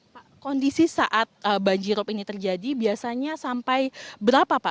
pak kondisi saat banjirop ini terjadi biasanya sampai berapa pak